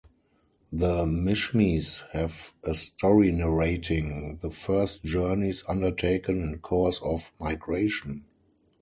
The Mishmis have a story narrating the first journeys undertaken in course of migration.